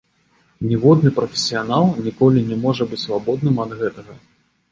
Ніводны прафесіянал ніколі не можа быць свабодным ад гэтага.